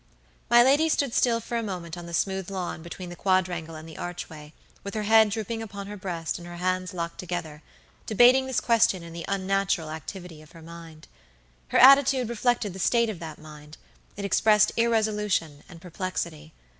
My lady stood still for a moment on the smooth lawn between the quadrangle and the archway, with her head drooping upon her breast and her hands locked together, debating this question in the unnatural activity of her mind. Her attitude reflected the state of that mindit expressed irresolution and perplexity.